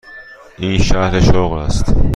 این شرح شغل است.